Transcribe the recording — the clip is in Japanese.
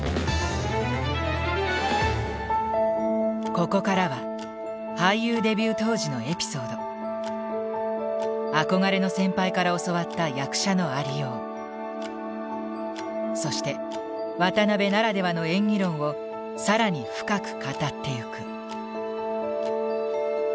ここからは俳優デビュー当時のエピソード憧れの先輩から教わった役者のありようそして渡辺ならではの演技論を更に深く語っていく。